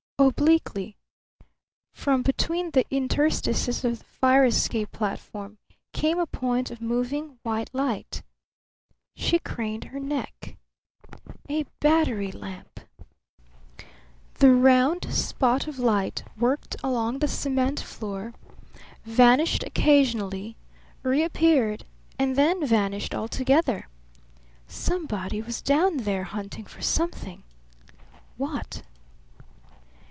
Obliquely from between the interstices of the fire escape platform came a point of moving white light. She craned her neck. A battery lamp! The round spot of light worked along the cement floor, vanished occasionally, reappeared, and then vanished altogether. Somebody was down there hunting for something. What?